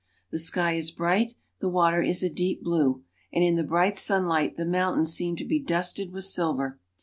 The sky is bright, the water is a deep blue, and in the bright sunlight the mountains seem to be dusted with silver.